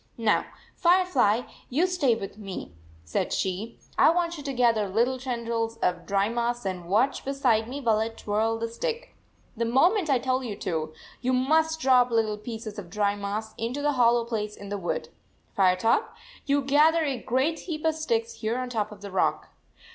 " Now, Firefly, you stay with me," said she. " I want you to gather little tendrils of dry moss and watch beside me while I twirl the stick. The moment I tell you to, you must drop little pieces of dry moss into the hollow place in the wood. Firetop, you gather a great heap of sticks here on top of the rock."